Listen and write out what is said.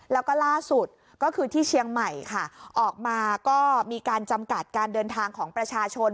แล้วก็ล่าสุดก็คือที่เชียงใหม่ค่ะออกมาก็มีการจำกัดการเดินทางของประชาชน